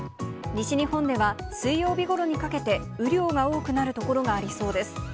西日本では水曜日ごろにかけて雨量が多くなる所がありそうです。